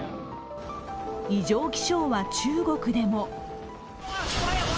異常気象は中国でも。